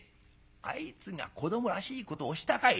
あいつが子どもらしいことをしたかい？